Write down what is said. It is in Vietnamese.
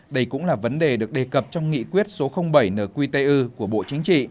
đây cũng là vấn đề được đề cập trong nghị quyết số bảy nqtu của bộ chính trị